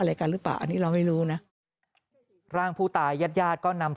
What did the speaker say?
อะไรกันหรือเปล่าอันนี้เราไม่รู้นะร่างผู้ตายญาติญาติก็นำ